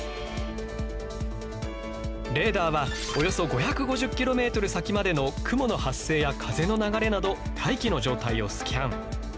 レーダーはおよそ５５０キロメートル先までの雲の発生や風の流れなど大気の状態をスキャン。